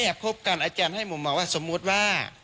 ถ้าแอบควบกันอาจารย์ให้มุมมาว่าสมมุติว่า